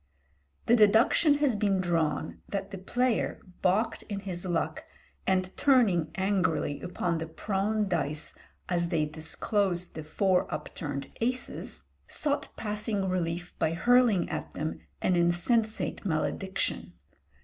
The deduction has been drawn that the player, baulked in his luck, and turning angrily upon the prone dice as they disclosed the four upturned aces, sought passing relief by hurling at them an insensate malediction.